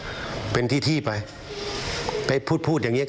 ขอเตือนไว้นะจะคบจะค้าหรือจะสมาคมกับคนพวกนี้ขอให้คิดให้ดี